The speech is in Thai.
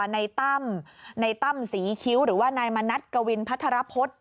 ในตั้มในตั้มศรีคิ้วหรือว่านายมณัฐกวินพัทรพฤษ